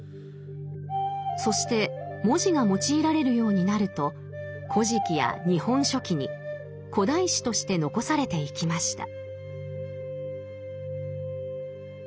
そして文字が用いられるようになると「古事記」や「日本書紀」に古代史として残されていきました。